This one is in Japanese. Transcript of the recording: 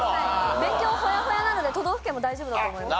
勉強ホヤホヤなので都道府県も大丈夫だと思います。